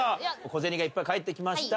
小銭いっぱい返ってきました。